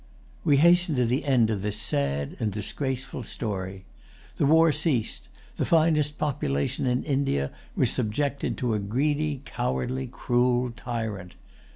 We hasten to the end of this sad and disgraceful story. The war ceased. The finest population in India was subjected to a greedy, cowardly, cruel tyrant.